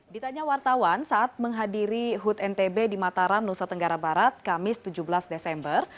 ditanya wartawan saat menghadiri hut ntb di mataram nusa tenggara barat kamis tujuh belas desember